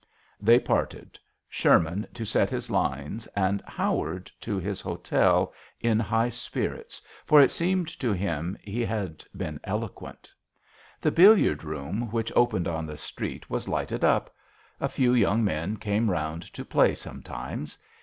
They parted ; Sherman to set his lines and Howard to his hotel in high spirits, for it seemed to him he had been eloquent. The billiard room, which opened JOHN SHERMAN, 15 on the street, was lighted up. A few young men came round to play sometimes.